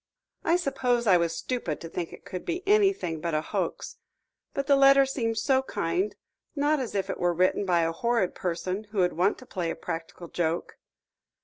"I suppose I was stupid to think it could be anything but a hoax. But the letter seemed so kind, not as if it were written by a horrid person who would want to play a practical joke."